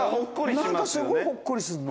「なんかすごいほっこりするの」